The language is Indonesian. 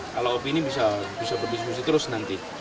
kalau opini bisa berdiskusi terus nanti